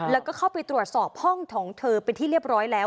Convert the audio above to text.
แล้วก็เข้าไปตรวจสอบห้องของเธอเป็นที่เรียบร้อยแล้ว